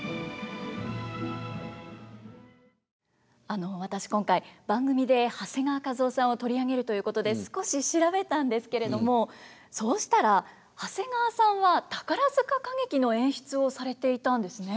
あの私今回番組で長谷川一夫さんを取り上げるということで少し調べたんですけれどもそうしたら長谷川さんは宝塚歌劇の演出をされていたんですね。